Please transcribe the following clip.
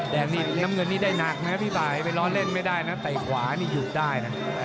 แดงนี่น้ำเงินนี่ได้หนักนะพี่บ่ายไปล้อเล่นไม่ได้นะแต่ขวานี่หยุดได้นะ